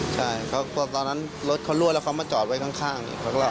ใช่ตอนนั้นรถเขารั่วแล้วเขามาจอดไว้ข้างนอก